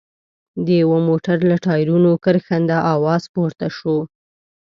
د يوه موټر له ټايرونو کرښنده اواز پورته شو.